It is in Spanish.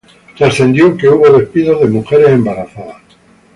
Trascendió que hubo despidos de mujeres embarazadas.